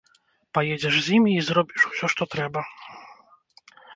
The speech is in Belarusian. Паедзеш з імі і зробіш усё, што трэба.